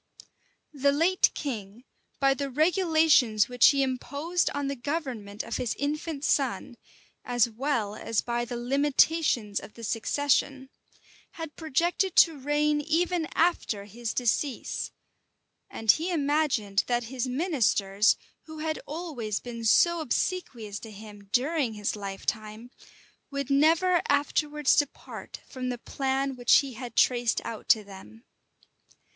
} THE late king, by the regulations which he imposed on the government of his infant son, as well as by the limitations of the succession, had projected to reign even after his decease; and he imagined that his ministers, who had always been so obsequious to him during his lifetime, would never afterwards depart from the plan which he had traced out to them.